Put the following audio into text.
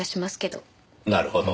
なるほど。